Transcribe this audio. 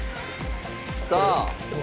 さあ。